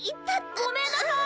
・ごめんなさい！